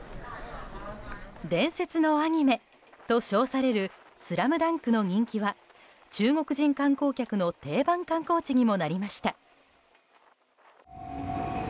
伝説のアニメと称される「ＳＬＡＭＤＵＮＫ」の人気は中国人観光客の定番観光地にもなりました。